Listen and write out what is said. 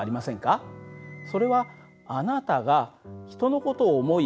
それはあなたが人の事を思い